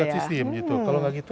kita buat sistem gitu